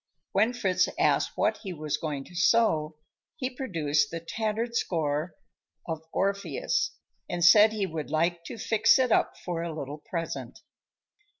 When Fritz asked what he was going to sew, he produced the tattered score of "Orpheus" and said he would like to fix it up for a little present.